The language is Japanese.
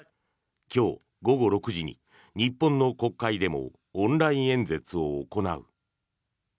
今日午後６時に日本の国会でもオンライン演説を行う。